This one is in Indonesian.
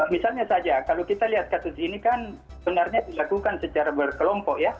misalnya saja kalau kita lihat kasus ini kan sebenarnya dilakukan secara berkelompok ya